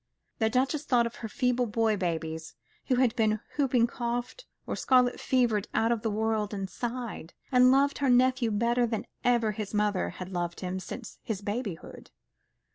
The Duchess thought of her feeble boy babies who had been whooping coughed or scarlet fevered out of the world, and sighed, and loved her nephew better than ever his mother had loved him since his babyhood.